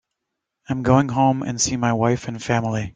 I'm going home and see my wife and family.